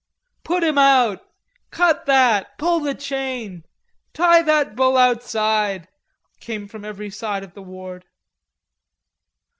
"Put him out." "Cut that." "Pull the chain." "Tie that bull outside," came from every side of the ward.